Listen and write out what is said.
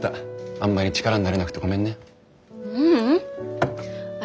あんまり力になれなくてごめんね。